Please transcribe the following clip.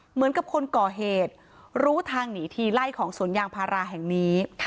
เหมือนกับคนก่อเหตุรู้ทางหนีทีไล่ของสวนยางพาราแห่งนี้